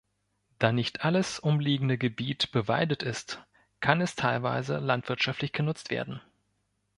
Da nicht alles umliegende Gebiet bewaldet ist, kann es teilweise landwirtschaftlich genutzt werden.